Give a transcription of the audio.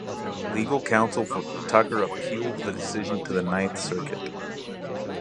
Legal counsel for Tucker appealed the decision to the Ninth Circuit.